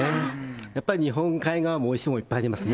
やっぱり日本海側もおいしいものいっぱいありますよね。